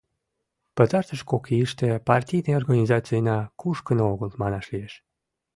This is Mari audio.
Пытартыш кок ийыште партийный организацийна кушкын огыл, манаш лиеш.